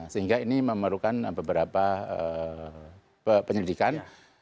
sehingga ini memerlukan beberapa penyelidikan